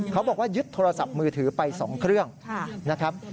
เขาบอกว่ายึดโทรศัพท์มือถือไป๒เครื่องนะครับ